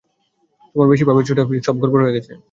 তোমার বেশি ভাবের চোটে সব গড়বড় হয়ে গেছে।